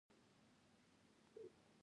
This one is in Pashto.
د ایوب خان پوځونو په لومړي سر کې ماته وکړه.